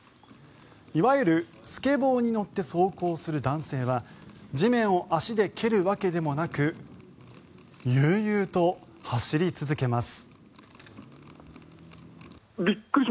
いわゆるスケボーに乗って走行する男性は地面を足で蹴るわけでもなく悠々と走り続けます。